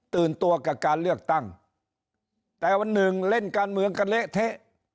ตัวกับการเลือกตั้งแต่วันหนึ่งเล่นการเมืองกันเละเทะ